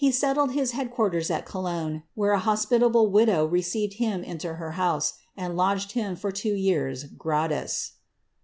He teitled his head quarters at Cologne, where a hoepi* table widow received him into her house, and lodged him for two jean gratis.'